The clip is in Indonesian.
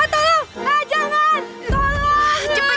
tolong ah jangan